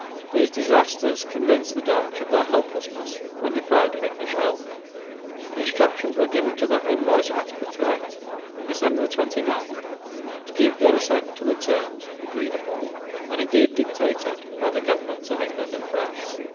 These disasters convinced the Dutch of their helplessness when deprived of English help; and instructions were given to their envoys at Utrecht, on December 29, to give their assent to the terms agreed upon and indeed dictated by the governments of England and France.